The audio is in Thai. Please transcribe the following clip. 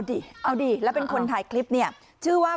เอาดิแล้วเป็นคนถ่ายคลิปชื่อว่า